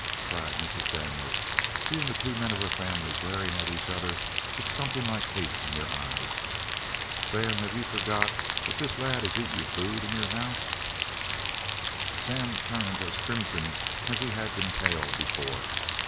cried Mrs. Daniels, seeing the two men of her family glaring at each other with something like hate in their eyes. "Sam, have you forgot that this lad has eat your food in your house?" Sam turned as crimson as he had been pale before.